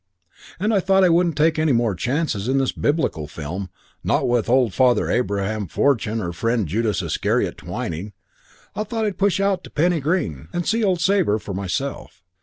And I thought I wouldn't take any more chances in this Biblical film, not with old father Abraham Fortune or Friend Judas Iscariot Twyning; I thought I'd push out to Penny Green and see old Sabre for myself.